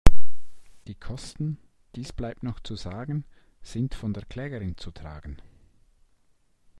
Die Kosten – dies bleibt noch zu sagen – sind von der Klägerin zu tragen.